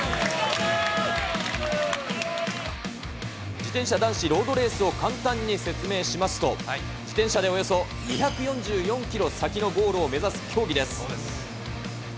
自転車男子ロードレースを簡単に説明しますと、自転車でおよそ２４４キロ先のゴールを目指す競技です。